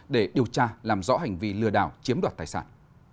để điều tra làm rõ hành vi lừa đảo chiếm đoạt tài sản